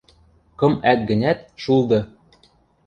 — Кым ӓк гӹнят, шулды!..